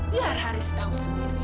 biar haris tahu sendiri